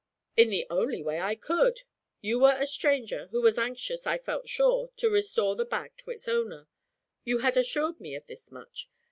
'In the only way I could. You were a stranger, who was anxious, I felt sure, to restore the bag to its owner. You had assured me of this much.